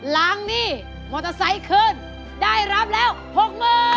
ล้างหนี้มอเตอร์ไซเคิลได้รับแล้ว๖หมื่น